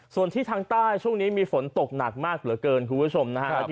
ส่วนที่ทางใต้ช่วงนี้มีฝนตกหนักมากเหลือเกินคุณผู้ชมนะฮะ